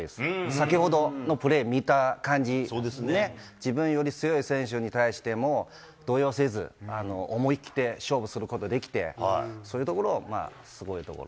先ほどのプレー見た感じね、自分より強い選手に対しても、動揺せず、思い切って勝負することできて、そういうところ、すごいところ。